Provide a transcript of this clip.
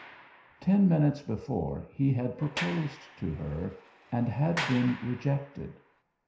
Ten minutes before he had proposed to her and had been rejected.